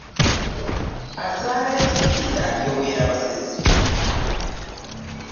Azaala ekibi alyowera basesi .